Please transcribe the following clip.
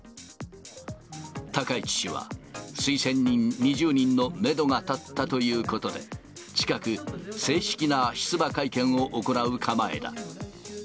高市氏は、推薦人２０人のメドが立ったということで、近く、正式な出馬会見を行う構えだ。